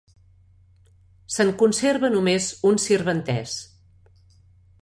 Se'n conserva només un sirventès.